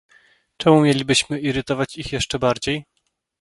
Czemu mielibyśmy irytować ich jeszcze bardziej?